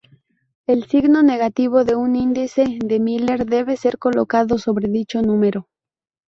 El signo negativo de un índice de Miller debe ser colocado sobre dicho número.